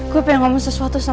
gue pengen ngomong sesuatu sama